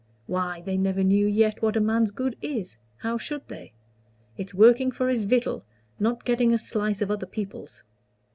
Why, they never knew yet what a man's good is. How should they? It's working for his victual not getting a slice of other people's."